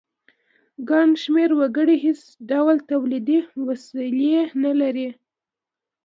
ګڼ شمیر وګړي هیڅ ډول تولیدي وسیلې نه لري.